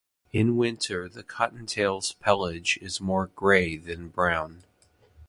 In winter the cottontail's pelage is more gray than brown.